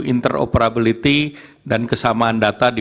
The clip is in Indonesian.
interoperability dan kesamaan data di